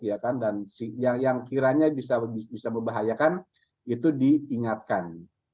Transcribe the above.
ya kan dan yang kiranya bisa membahayakan itu diingatkan